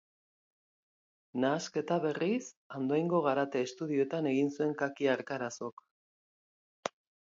Nahasketa berriz, Andoaingo Garate estudioetan egin zuen Kaki Arkarazok.